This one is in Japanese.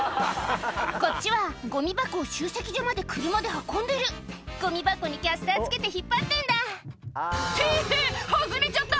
こっちはゴミ箱を集積所まで車で運んでるゴミ箱にキャスター付けて引っ張ってんだって外れちゃった！